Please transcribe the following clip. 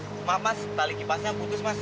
cuma mas tali kipasnya putus mas